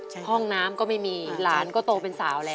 ห้องน้ำก็ไม่มีหลานก็โตเป็นสาวแล้ว